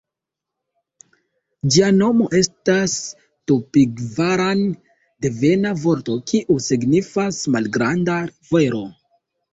Ĝia nomo estas tupigvarani-devena vorto, kiu signifas "malgranda rivero".